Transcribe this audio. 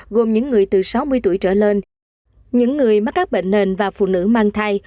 gồm những người từ sáu mươi tuổi trở lên những người mắc các bệnh nền và phụ nữ mang thai